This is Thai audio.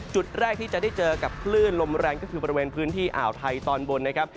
จุดแรกที่จะได้เจอกับคลื่นลมแรงก็คือบริเวณพื้นที่อ่าวไทยตอนบนนะครับ